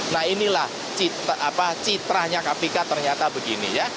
nah inilah citra apa citranya kpk ternyata begini ya